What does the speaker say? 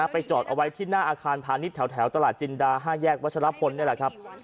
จอดเอาไว้ที่หน้าอาคารพาณิชย์แถวตลาดจินดา๕แยกวัชรพลนี่แหละครับ